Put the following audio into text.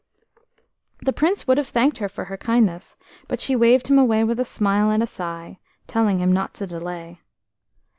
HE Prince would have thanked her for her kindness, but she waved him away with a smile and a sigh, telling him not to delay.